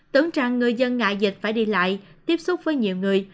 tưởng rằng người dân ngại dịch phải đi lại tiếp xúc với nhiều người